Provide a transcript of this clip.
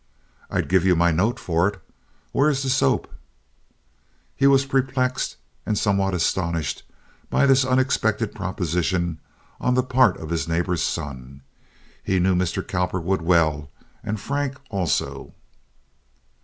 "I'd give you my note for it. Where is the soap?" He was perplexed and somewhat astonished by this unexpected proposition on the part of his neighbor's son. He knew Mr. Cowperwood well—and Frank also.